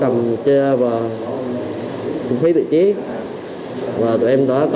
qua lời kêu gọi của nickname cu tí là phạm ngọc nở